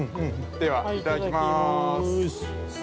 では、いただきます。